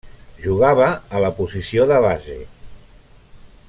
Jugava a la posició de base.